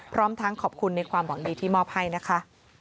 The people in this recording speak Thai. พร้อมทั้งขอบคุณในความหวังดีที่มอบให้นะคะ